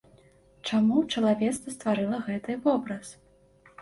Чаму чалавецтва стварыла гэты вобраз?